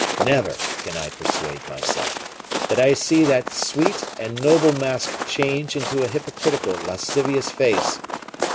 Never can I persuade myself that I see that sweet and noble mask change into a hypocritical lascivious face.